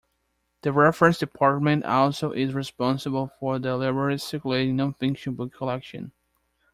The Reference Department also is responsible for the library's circulating non-fiction book collection.